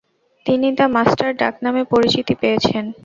তিনি ‘the Master’ ডাকনামে পরিচিতি পেয়েছেন।